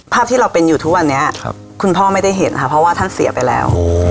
ภาพที่เราเป็นอยู่ทุกวันนี้คุณพ่อไม่ได้เห็นค่ะเพราะว่าท่านเสียไปแล้ว